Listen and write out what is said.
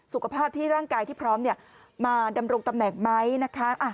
สุขภาพที่ร่างกายที่พร้อมมาดำรงตำแหน่งไหมนะคะ